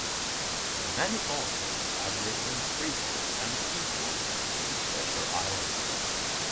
Many authors have written prequels and sequels to "Treasure Island".